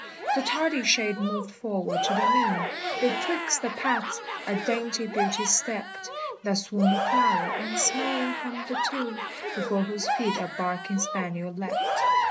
The tardy shade moved forward to the noon; Betwixt the paths a dainty Beauty stept, That swung a flower, and, smiling hummed a tune, Before whose feet a barking spaniel leapt.